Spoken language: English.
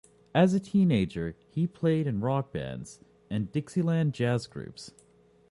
As a teenager, he played in rock bands and dixieland jazz groups.